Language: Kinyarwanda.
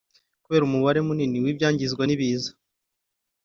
Kubera umubare munini w’ibyangizwa n’ibiza